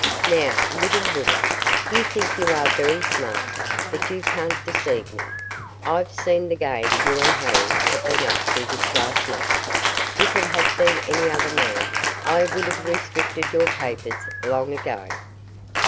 "Now, little woman, you think you are very smart, but you can't deceive me. I've seen the game you and Harry have been up to this last month. If it had been any other man, I would have restricted your capers long ago."